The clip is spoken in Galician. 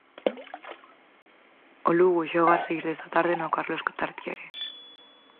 O Lugo xoga ás seis desta tarde no Carlos Tartiere.